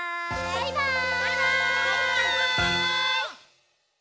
「バイバーイ！」